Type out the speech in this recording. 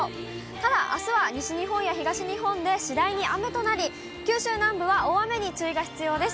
ただあすは西日本や東日本で次第に雨となり、九州南部は大雨に注意が必要です。